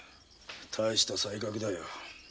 大した才覚だよ。